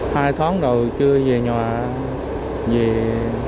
hai tháng đầu chưa về nhà về trại